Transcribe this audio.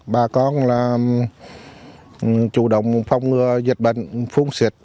bà con là chủ động phong ngừa dịch bệnh